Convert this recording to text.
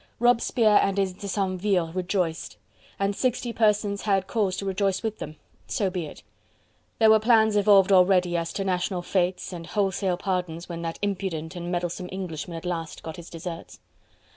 Robespierre and his decemvirs rejoiced, and sixty persons had cause to rejoice with them. So be it! There were plans evolved already as to national fetes and wholesale pardons when that impudent and meddlesome Englishman at last got his deserts.